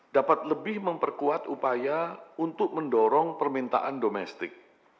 dapat lebih memperkuat upaya untuk mendorong permintaan domestik